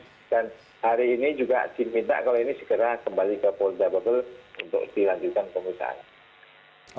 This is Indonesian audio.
dan hari ini juga tim minta kalau ini segera kembali ke polda bubble untuk dilanjutkan pengusahaan